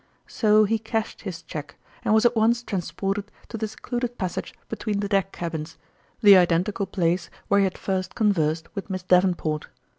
So he cashed his cheque, and was at once transported to the secluded passage between the deck cabins, the identical place where he had first conversed with Miss Davenport.